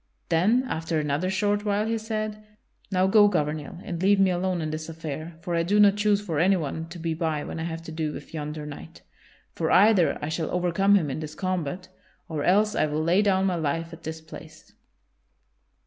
Then after another short while he said: "Now go, Gouvernail, and leave me alone in this affair, for I do not choose for anyone to be by when I have to do with yonder knight. For either I shall overcome him in this combat or else I will lay down my life at this place.